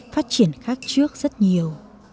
phát triển khác trước rất nhiều